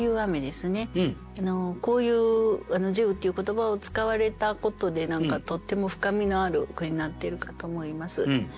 こういう「慈雨」っていう言葉を使われたことで何かとっても深みのある句になっているかと思います。